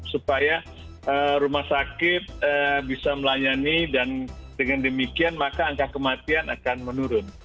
supaya rumah sakit bisa melayani dan dengan demikian maka angka kematian akan menurun